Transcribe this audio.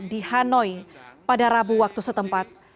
di hanoi pada rabu waktu setempat